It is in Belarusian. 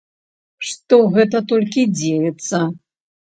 Што гэта толькі дзеецца!